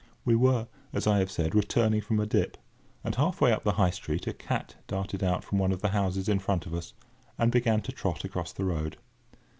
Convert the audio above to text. We were, as I have said, returning from a dip, and half way up the High Street a cat darted out from one of the houses in front of us, and began to trot across the road.